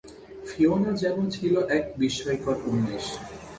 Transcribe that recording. Fiona যেন ছিল এক বিস্ময়কর উন্মেষ।